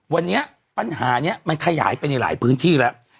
วันนี้ปัญหานี้มันขยายไปในหลายพื้นที่แล้ว